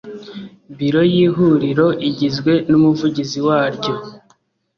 Biro y ihuriro igizwe n umuvugizi waryo